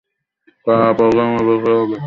কারাপ্রধান কে হবে?